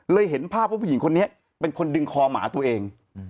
เห็นภาพว่าผู้หญิงคนนี้เป็นคนดึงคอหมาตัวเอง